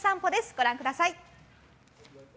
ご覧ください。